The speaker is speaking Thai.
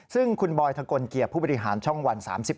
ซึ่งคุณบอยทะกลเกียร์ผู้บริหารช่องวัน๓๑